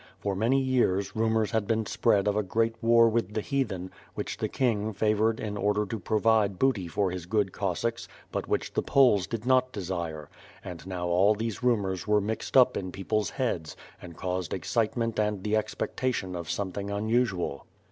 For many years rumors had been spread of a great war with the heathen, which the King favored in order to provide booty for his good Cossacks but which the Poles did not desire — and now all these rumors were mixed up in people's heads and caused excitement and the expectation of something unusual.